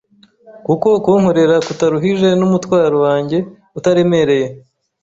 kuko kunkorera kutaruhije n’umutwaro wanjye utaremereye.